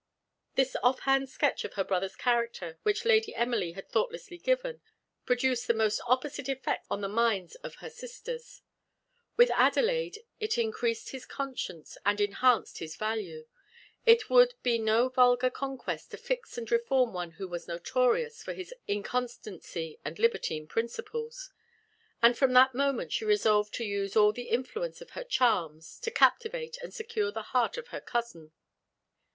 This off hand sketch of her brother's character, which Lady Emily had thoughtlessly given, produced the most opposite effects on the minds of he sisters. With Adelaide it increased his consequence and enhanced his value. It would be no vulgar conquest to fix and reform one who was notorious for his inconstancy and libertine principles; and from that moment she resolved to use all the influence of her charms to captivate and secure the heart of her cousin.